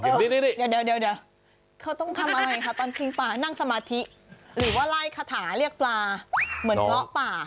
เดี๋ยวเขาต้องทำอะไรคะตอนทิ้งปลานั่งสมาธิหรือว่าไล่คาถาเรียกปลาเหมือนเงาะป่า